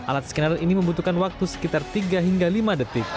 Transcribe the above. alat skenario ini membutuhkan waktu sekitar tiga hingga lima detik